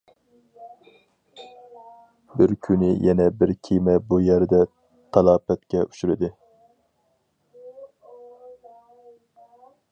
بىر كۈنى يەنە بىر كېمە بۇ يەردە تالاپەتكە ئۇچرىدى.